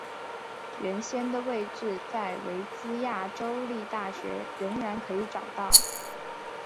原先的位置在维兹亚州立大学仍然可以找到。